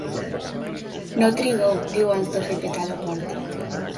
No trigueu! —diu abans de fer petar la porta.